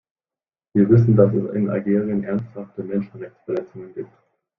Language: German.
Wir wissen, dass es in Algerien ernsthafte Menschenrechtsverletzungen gibt.